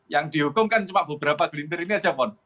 yang dihukum kan cuma beberapa gelintir ini saja pon